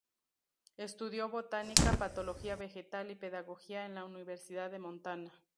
Estudió botánica, patología vegetal y pedagogía en la Universidad de Montana.